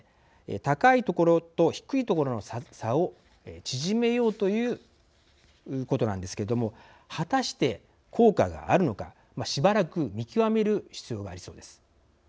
高いところと低いところの差を縮めようということなんですけども果たして効果があるのかしばらく見極める必要がありそうです。